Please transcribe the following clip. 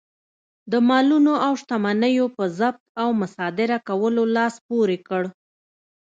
د مالونو او شتمنیو په ضبط او مصادره کولو لاس پورې کړ.